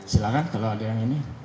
silahkan kalau ada yang ini